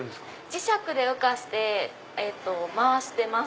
磁石で浮かして回してます。